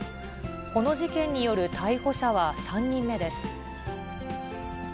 この事件による逮捕者は３人目です。